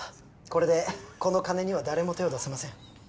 これでこの金には誰も手を出せません